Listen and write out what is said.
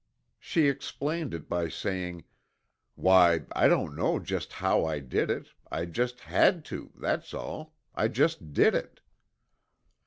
She explained it by saying "Why, I don't know just how I did it I just had to, that's all I just did it."